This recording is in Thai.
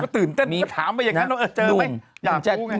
ตื่นเต้นก็ถามไปอย่างนั้นว่าเจอไหม